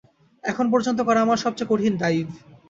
এখন পর্যন্ত করা আমার সবচেয়ে কঠিন ডাইভ।